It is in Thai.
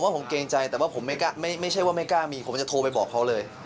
ผมเกรงใจแต่ว่าผมไม่ใช่ว่าไม่กล้ามีผมจะโทรไปบอกเขาเลย